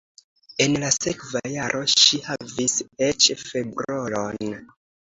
En la sekva jaro ŝi havis eĉ ĉefrolon.